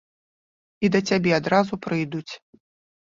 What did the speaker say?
І да цябе адразу прыйдуць.